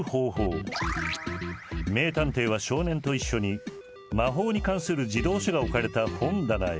名探偵は少年と一緒に魔法に関する児童書が置かれた本棚へ。